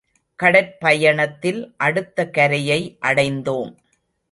கடற் பயணத்தில் அடுத்த கரையை அடைந்தோம்.